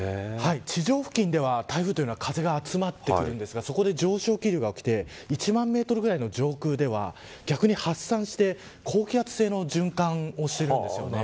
地上付近では台風は風が集まってくるんですがそこで上昇気流が多くて１万メートルぐらいの上空では逆に発散して高気圧の循環をしているんです。